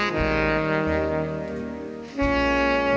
โปรดติดตามต่อไป